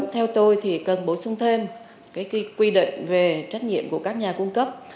theo tôi thì cần bổ sung thêm quy định về trách nhiệm của các nhà cung cấp